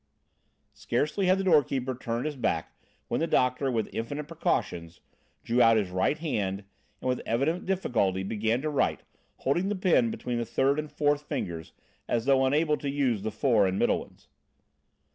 Scarcely had the doorkeeper turned his back when the doctor, with infinite precautions drew out his right hand and with evident difficulty began to write, holding the pen between the third and fourth fingers, as though unable to use the fore and middle ones.